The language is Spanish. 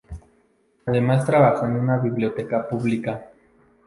Además trabajó en la biblioteca pública.